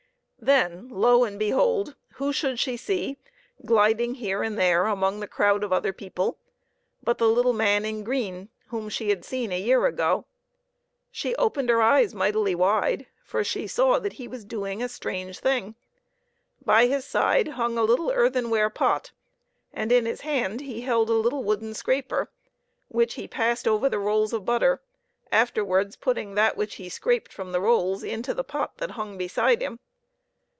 Then, lo and behold ! who should she see, gliding here and there among the crowd of other people, but the little man in green whom she had seen a year ago. She opened her eyes mightily wide, for she saw that he was doing a strange thing. By his side hung a little earthen ware pot, and in his hand he held a little wooden scraper, which he passed over the rolls of butter, afterwards putting that which he scraped from the rolls into the pot that hung beside him.